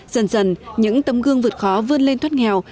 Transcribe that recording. dần dần những tấm gương vượt khó vươn lên thoát nghèo